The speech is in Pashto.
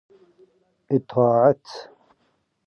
اطاعت